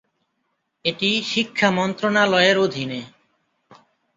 এটি শিক্ষা মন্ত্রনালয়ের অধীনে।